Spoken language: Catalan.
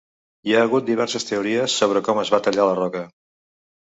Hi ha hagut diverses teories sobre com es va tallar la roca.